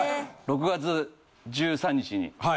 ６月１３日に。